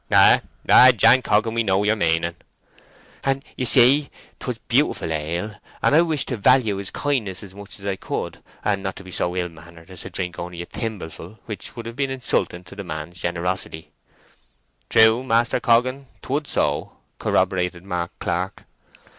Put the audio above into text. "Ay, ay, Jan Coggan; we know yer maning." "And so you see 'twas beautiful ale, and I wished to value his kindness as much as I could, and not to be so ill mannered as to drink only a thimbleful, which would have been insulting the man's generosity—" "True, Master Coggan, 'twould so," corroborated Mark Clark.